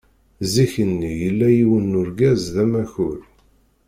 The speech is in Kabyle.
Zik-nni, yella yiwen n urgaz d amakur.